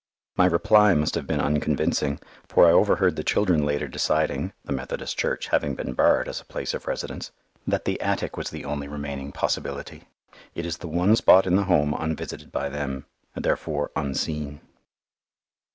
My reply must have been unconvincing, for I overheard the children later deciding, the Methodist Church having been barred as a place of residence, that the attic was the only remaining possibility. It is the one spot in the Home unvisited by them, and therefore "unseen."